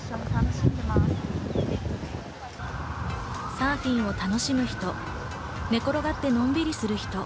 サーフィンを楽しむ人、寝転がってのんびりする人。